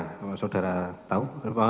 kalau saudara tahu